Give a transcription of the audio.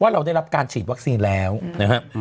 เราได้รับการฉีดวัคซีนแล้วนะครับ